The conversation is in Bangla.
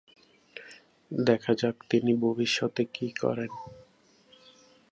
দেখা যাক তিনি ভবিষ্যতে কী করেন।